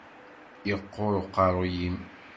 Yeqquṛ uqeṛṛu-yim.